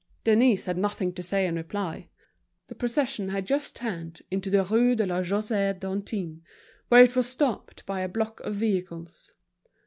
Denise had nothing to say in reply. The procession had just turned into the Rue de la Chaussée d'Antin, where it was stopped by a block of vehicles.